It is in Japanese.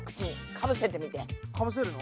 かぶせるの？